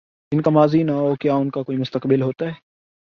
جن کا ماضی نہ ہو، کیا ان کا کوئی مستقبل ہوتا ہے؟